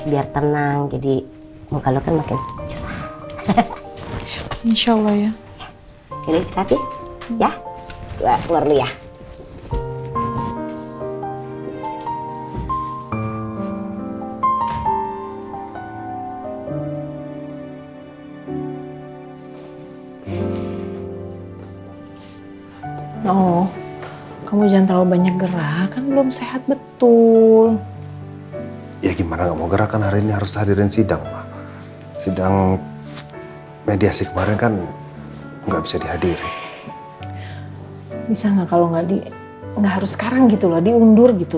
bisa enggak kalau enggak harus sekarang gitu loh diundur gitu